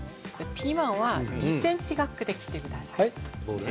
ピーマンは１ｃｍ角で切ってください。